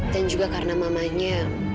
dan juga karena mamanya